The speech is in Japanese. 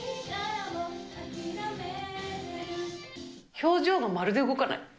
表情がまるで動かない。